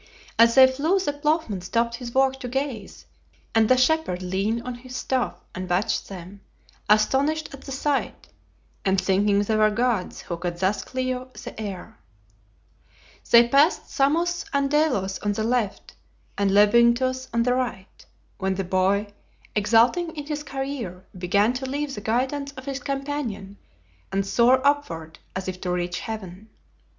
As they flew the ploughman stopped his work to gaze, and the shepherd leaned on his staff and watched them, astonished at the sight, and thinking they were gods who could thus cleave the air. They passed Samos and Delos on the left and Lebynthos on the right, when the boy, exulting in his career, began to leave the guidance of his companion and soar upward as if to reach heaven.